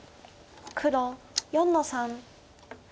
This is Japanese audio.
黒４の三。